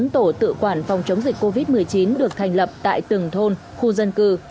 bốn tổ tự quản phòng chống dịch covid một mươi chín được thành lập tại từng thôn khu dân cư